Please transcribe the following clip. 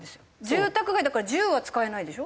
住宅街だから銃は使えないでしょ？